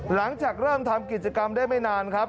หลังจากเริ่มทำกิจกรรมได้ไม่นานครับ